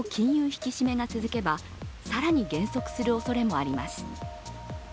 引き締めが続けば更に減速するおそれもあります。